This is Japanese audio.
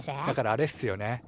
だからあれっすよね。